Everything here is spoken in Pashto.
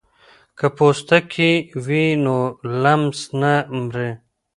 که پوستکی وي نو لمس نه مري.